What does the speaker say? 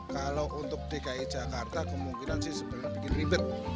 kalau untuk dki jakarta kemungkinan sih sebenarnya bikin ribet